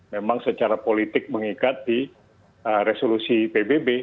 memang secara politik mengikat di resolusi pbb